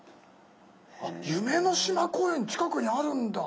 あっ夢の島公園近くにあるんだ。